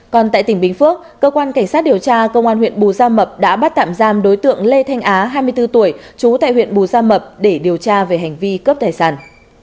còn tại tỉnh bình phước cơ quan cảnh sát điều tra công an huyện bù gia mập đã bắt tạm giam đối tượng lê thanh á hai mươi bốn tuổi trú tại huyện bù gia mập để điều tra về hành vi cướp tài sản